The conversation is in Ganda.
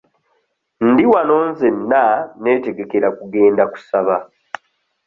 Ndi wano nzenna neetegekera kugenda kusaba.